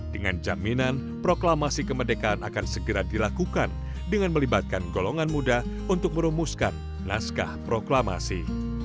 dengan jaminan proklamasi kemerdekaan akan segera dilakukan dengan melibatkan golongan muda untuk merumuskan naskah proklamasi